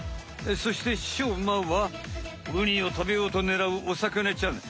そしてしょうまはウニを食べようとねらうお魚ちゃん。